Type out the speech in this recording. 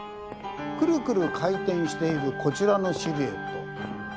くるくる回転しているこちらのシルエット。